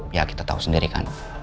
ya kita tahu sendiri kan